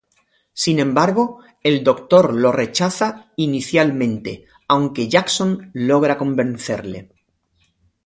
Sin embargo, el Doctor lo rechaza inicialmente, aunque Jackson logra convencerle.